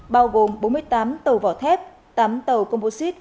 bao gồm bốn mươi tám tàu vỏ thép tám tàu composite